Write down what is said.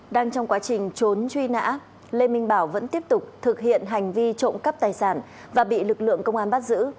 đang trong quá trình trốn truy nã lê minh bảo vẫn tiếp tục thực hiện hành vi trộm cắp tài sản và bị lực lượng công an bắt giữ